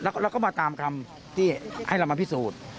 แล้วก็มาตามคำที่ให้เรามาพิสูจน์